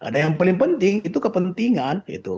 dan yang paling penting itu kepentingan